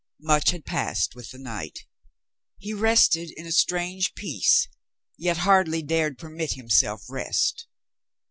Much had passed with the night. He rested in a strange peace, yet hardly dared permit himself rest.